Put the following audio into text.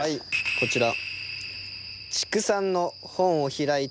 こちら。